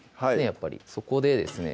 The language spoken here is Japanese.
やっぱりそこでですね